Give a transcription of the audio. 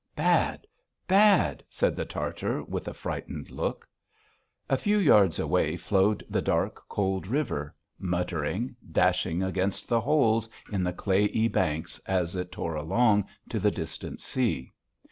"Bad! Bad!" said the Tartar with a frightened look. A few yards away flowed the dark, cold river, muttering, dashing against the holes in the clayey banks as it tore along to the distant sea.